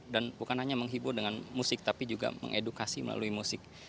dan bukan hanya menghibur dengan musik tapi juga mengedukasi melalui musik